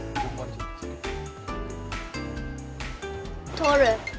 「取る」。